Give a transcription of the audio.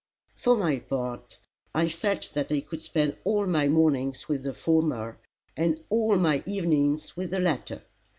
For my part, I felt that I could spend all my mornings with the former, and all my evenings with the latter.